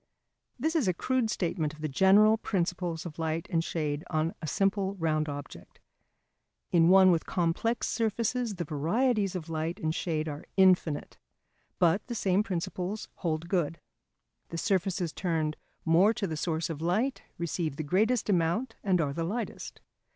This is a crude statement of the general principles of light and shade on a simple round object. In one with complex surfaces the varieties of light and shade are infinite. But the same principles hold good. The surfaces turned more to the source of light receive the greatest amount, and are the lightest.